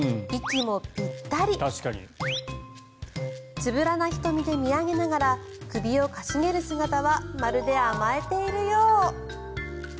つぶらな瞳で見上げながら首を傾げる姿はまるで甘えているよう。